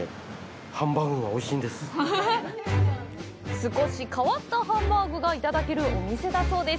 少し変わったハンバーグがいただけるお店だそうです。